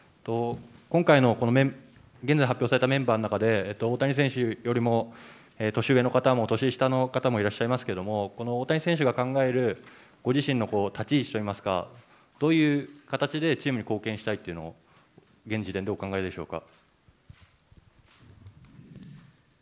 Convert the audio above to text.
今回の現在発表されたメンバーの中で、大谷選手よりも年上の方も年下の方もいらっしゃいますけど、この大谷選手が考えるご自身の立ち位置といいますか、どういう形でチームに貢献したいというのを、現時点でお考えでしょうか。